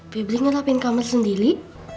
bebi merapikan kamar sendiri